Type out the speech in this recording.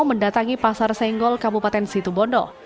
mendatangi pasar senggol kabupaten situbondo